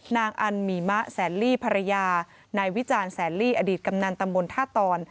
นางอันหมีมะแสนลี่ภรรยานายวิจารณ์แสนลี่อดีตกำนันตำบลท่าตอน